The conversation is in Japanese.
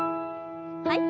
はい。